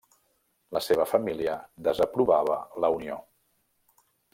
La seva família desaprovava la unió.